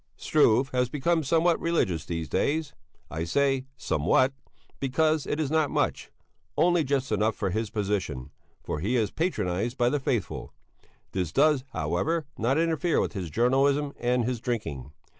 Struve has become somewhat religious these days I say somewhat, because it is not much only just enough for his position, for he is patronized by the faithful. This does, however, not interfere with his journalism and his drinking.